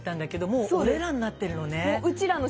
もう「おれら」になってるのね。